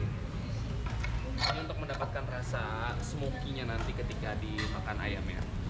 ini untuk mendapatkan rasa smokiness nanti ketika dimakan ayamnya